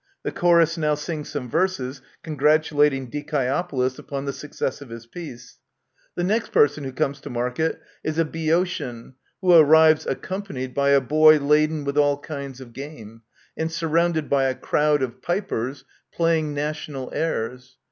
The Chorus now sing some verses congratulating Dicasopolis upon the success of his peace. The next person who comes to market is a Eceotian, who arrives accompanied by a boy laden with all kinds of game, and surrounded by a crowd of pipers playing xii Introduction. national airs.